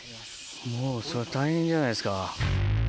もうそれは大変じゃないですか。